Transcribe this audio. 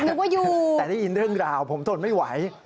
นึกว่าอยู่แต่ได้ยินเรื่องราวผมทนไม่ไหว